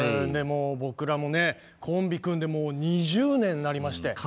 でも僕らもねコンビ組んでもう２０年になりまして。